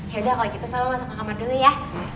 yaudah kalau gitu selalu masuk ke kamar dulu ya